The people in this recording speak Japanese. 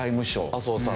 麻生さん。